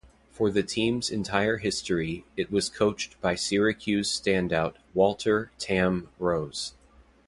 For the team's entire history, it was coached by Syracuse standout Walter "Tam" Rose.